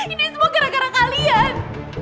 ini semua gara gara kalian